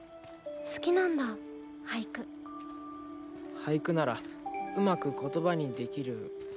俳句ならうまく言葉にできるみたいな。